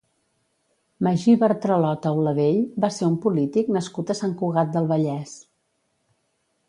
Magí Bartralot Auladell va ser un polític nascut a Sant Cugat del Vallès.